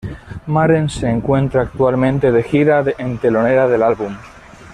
Maren se encuentra actualmente de gira en telonera del álbum.